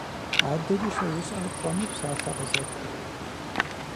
АдэкӀи сэ жысӀэр пщӀэну псалъэ къызэт.